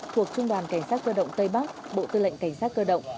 thuộc trung đoàn cảnh sát cơ động tây bắc bộ tư lệnh cảnh sát cơ động